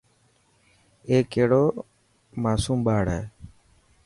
اي ڪهڙو ماصوم ٻاڙ هي.